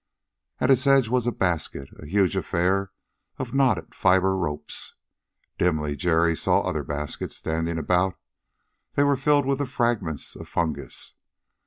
At its edge was a basket, a huge affair of knotted fiber ropes. Dimly, Jerry saw other baskets standing about: they were filled with the fragments of fungus.